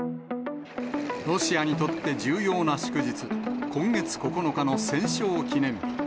ロシアにとって重要な祝日、今月９日の戦勝記念日。